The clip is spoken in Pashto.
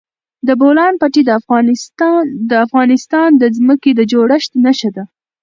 د بولان پټي د افغانستان د ځمکې د جوړښت نښه ده.